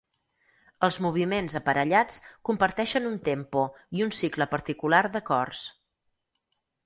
Els moviments aparellats comparteixen un tempo i un cicle particular d'acords.